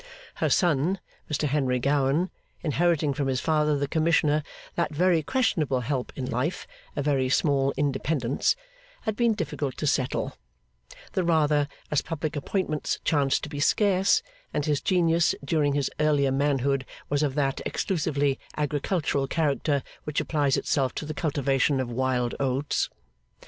Her son, Mr Henry Gowan, inheriting from his father, the Commissioner, that very questionable help in life, a very small independence, had been difficult to settle; the rather, as public appointments chanced to be scarce, and his genius, during his earlier manhood, was of that exclusively agricultural character which applies itself to the cultivation of wild oats.